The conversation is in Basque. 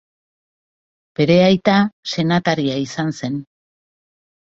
Bere aita senataria izan zen.